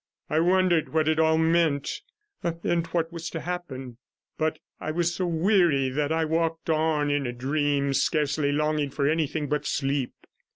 I wondered what it all meant, and what was to happen; but I was so weary that I walked on in a dream, scarcely longing for anything but sleep.